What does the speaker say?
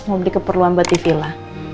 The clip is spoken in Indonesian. mau beli keperluan buat di vila